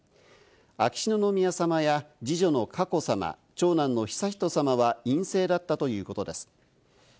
秋篠宮さまや、二女の佳子さま、長男の悠仁さまは陰性だったということです。